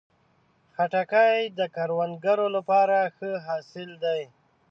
خټکی د کروندګرو لپاره ښه حاصل دی.